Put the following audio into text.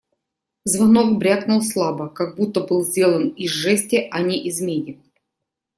Звонок брякнул слабо, как будто был сделан из жести, а не из меди.